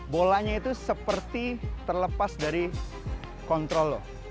bolanya itu seperti terlepas dari kontrol lo